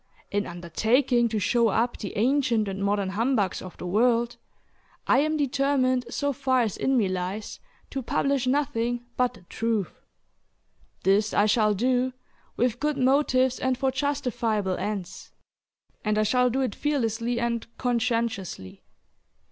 In undertaking to show up the "Ancient and Modern Humbugs of the World," I am determined so far as in me lies, to publish nothing but the truth. This I shall do, "with good motives and for justifiable ends," and I shall do it fearlessly and conscientiously.